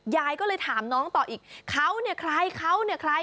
ยายก็เลยถามน้องต่ออีกเขาเนี่ยใคร